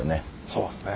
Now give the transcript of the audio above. そうですね。